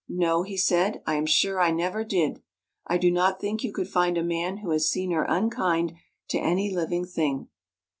" No," he said, " I am sure I never did. I do not think you could find a man who has seen her unkind to any living thing."